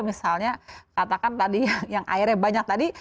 misalnya katakan tadi yang airnya banyak tadi